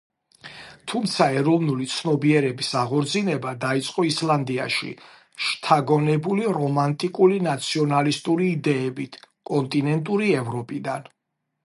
თუმცა ეროვნული ცნობიერების აღორძინება დაიწყო ისლანდიაში, შთაგონებული რომანტიკული ნაციონალისტური იდეებით კონტინენტური ევროპიდან.